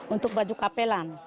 untuk baju kapelan